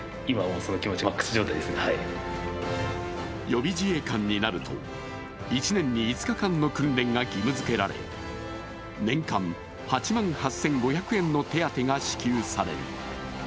予備自衛官になると１年に５日間の訓練が義務づけられ年間８万８５００円の手当が支給される。